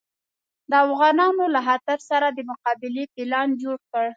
د افغانانو له خطر سره د مقابلې پلان جوړ کړ.